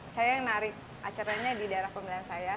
saya yang narik acaranya di daerah pemilihan saya